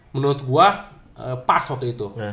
menurut gue pas waktu itu